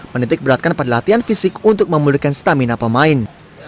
menitik beratkan pada latihan fisik untuk memulihkan stamina pemain